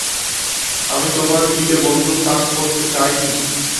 আমি তোমার দিকে বন্দুক তাক করতে চাইনি।